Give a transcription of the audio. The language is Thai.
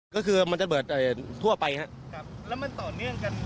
ก็คือมันจะเบิดทั่วไปครับแล้วมันต่อเนื่องกัน